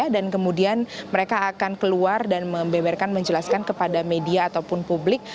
dan kemudian mereka akan keluar dan membemerkan menjelaskan kepada media ataupun publik